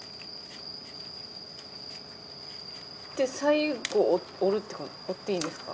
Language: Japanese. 最後折る折っていいんですか？